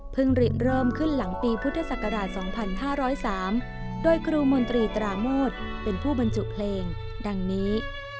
เริ่มขึ้นหลังปีพุทธศักราช๒๕๐๓โดยครูมนตรีตราโมทเป็นผู้บรรจุเพลงดังนี้